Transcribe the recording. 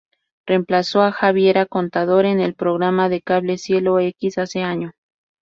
Reemplazó a Javiera Contador en el programa de cable Cielo X hace año.